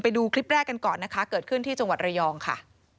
ไปดูคลิปแรกกันก่อนนะคะเกิดขึ้นที่จังหวัดระยองค่ะ